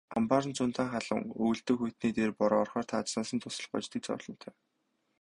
Амбаар нь зундаа халуун, өвөлдөө хүйтний дээр бороо орохоор таазнаас нь дусаал гоождог зовлонтой.